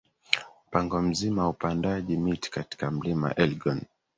mpango mzima wa upandaji miti katika mlima elgon